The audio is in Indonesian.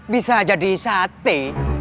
bisa jadi sate